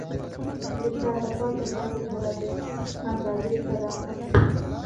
د شاته پاتې خلکو سره د همدردۍ سره مخ شئ.